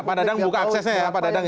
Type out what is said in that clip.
pak dadang buka aksesnya ya pak dadang ya